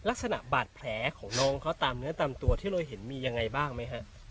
ลักษณะบาดแผลของน้องเขาตามเนื้อตามตัวที่เราเห็นมียังไงบ้างไหมฮะ